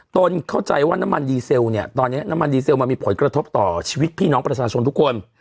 ตนเข้าใจว่าน้ำมันดีเซลเนี่ยตอนนี้น้ำมันดีเซลมันมีผลกระทบต่อชีวิตพี่น้องประชาชนทุกคน